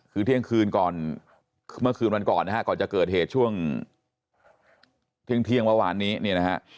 คือเที่ยงคืนเมื่อคืนวันก่อนก่อนจะเกิดเหตุช่วงเที่ยงเที่ยงวาวานนี้